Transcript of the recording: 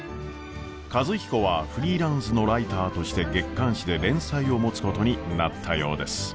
和彦はフリーランスのライターとして月刊誌で連載を持つことになったようです。